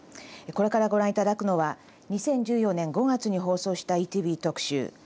これからご覧頂くのは２０１４年５月に放送した「ＥＴＶ特集」。